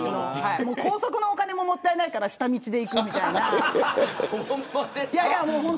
高速のお金ももったいないから下道で移動するみたいな。